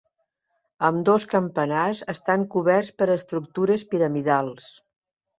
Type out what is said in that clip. Ambdós campanars estan coberts per estructures piramidals.